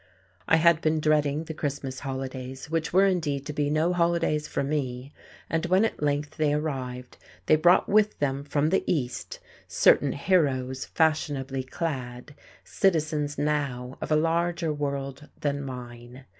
I had been dreading the Christmas holidays, which were indeed to be no holidays for me. And when at length they arrived they brought with them from the East certain heroes fashionably clad, citizens now of a larger world than mine.